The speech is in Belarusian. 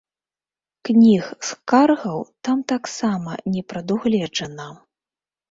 Кніг скаргаў там таксама не прадугледжана.